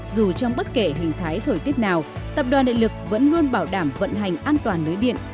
dù trong bất kể hình thái thời tiết nào tập đoàn đại lực vẫn luôn bảo đảm vận hành an toàn lưới điện